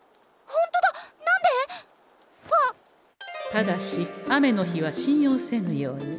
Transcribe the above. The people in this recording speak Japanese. ただし雨の日は信用せぬように。